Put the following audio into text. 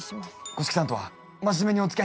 五色さんとは真面目におつきあいさせてもらってます。